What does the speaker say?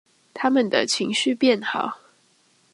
牠們的情緒變好